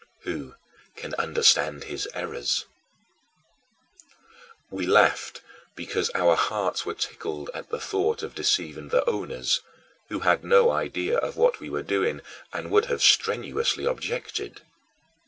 "Who can understand his errors?" We laughed because our hearts were tickled at the thought of deceiving the owners, who had no idea of what we were doing and would have strenuously objected.